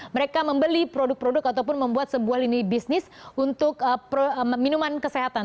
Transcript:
mereka membeli produk produk ataupun membuat sebuah lini bisnis untuk minuman kesehatan